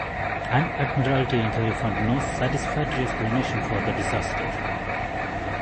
An Admiralty enquiry found no satisfactory explanation for the disaster.